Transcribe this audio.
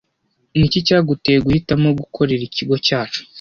Niki cyaguteye guhitamo gukorera ikigo cyacu?